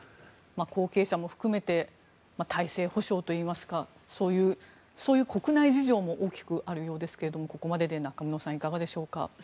後継者も含めて体制保証といいますかそういう国内事情も大きくあるようですがここまでで中室さんいかがでしょうか。